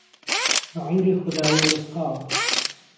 بەعومری خودای و ڕزقاوە